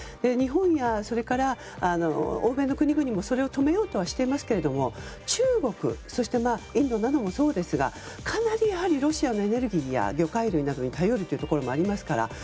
日本や欧米の国々もそれを止めようとはしていますが中国、インドなどもそうですがかなり、ロシアのエネルギーや魚介類に頼るというところもありますから。